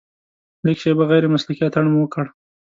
لږه شېبه غیر مسلکي اتڼ مو وکړ.